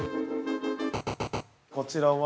◆こちらは。